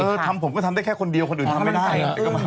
ทำผมก็ทำได้แค่คนเดียวคนอื่นทำไม่ได้